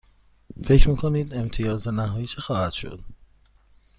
فکر می کنید امتیاز نهایی چه خواهد شد؟